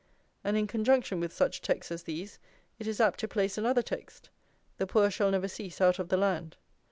And in conjunction with such texts as these it is apt to place another text: The poor shall never cease out of the land.